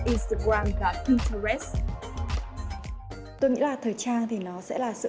instagram và pinterest tôi nghĩ là thời trang thì nó sẽ là sự